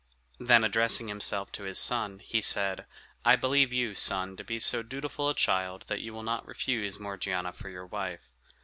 Then addressing himself to his son, he said: "I believe you, son, to be so dutiful a child, that you will not refuse Morgiana for your wife.